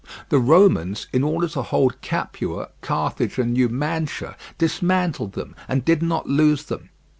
The Romans, in order to hold Capua, Carthage, and Numantia, dismantled them, and did not lose them.